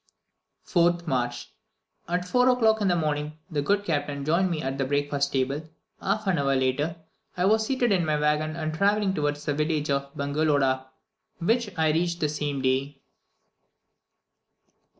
4th March. At 4 o'clock in the morning, the good captain joined me at the breakfast table; half an hour later, I was seated in my waggon and travelling towards the village of Bongeloda, which I reached the same day.